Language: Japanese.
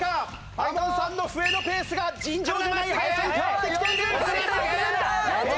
ＡＭＯＮさんの笛のペースが尋常じゃない速さに変わってきている。